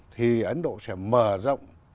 thì ấn độ sẽ mở rộng